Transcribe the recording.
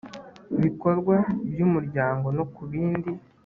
bikorwa by umuryango no ku bindi